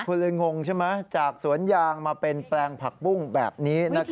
คุณเลยงงใช่ไหมจากสวนยางมาเป็นแปลงผักปุ้งแบบนี้